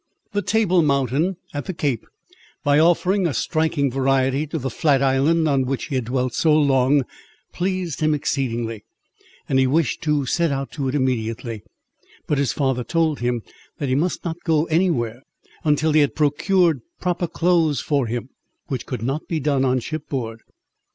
The Table Mountain, at the Cape, by offering a striking variety to the flat island on which he had dwelt so long, pleased him exceedingly, and he wished to set out to it immediately; but his father told him, that he must not go any where, until he had procured proper clothes for him, which could not be done on shipboard.